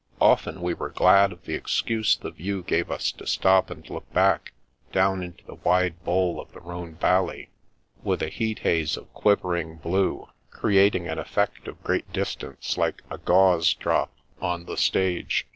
Often we were glad of the excuse the view gave us to stop and look back« down into the wide bowl of the Rhone Valley, with a heat haze of quivering blue, creating an effect of great distance, like a '^ gauze drop " on the stage.